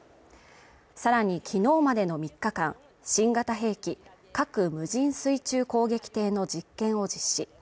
さらに昨日までの３日間、新型兵器核無人水中攻撃艇の実験を実施。